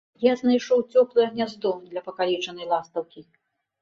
Я знайшоў цёплае гняздо для пакалечанай ластаўкі.